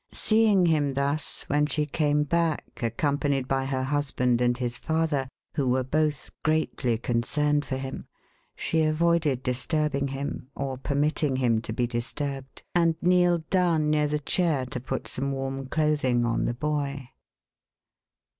Seeing him thus, when she came back, accompanied by her husband and his father (who were both greatly concerned for him), she avoided disturbing him, or permitting him to be disturbed; and kneeled down near the chair to put some warm clothing on the boy.